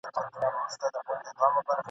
تندر غورځولی یمه څاڅکی د باران یمه ..